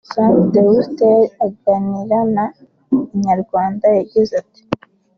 JeantheHustla aganira na Inyarwanda yagize ati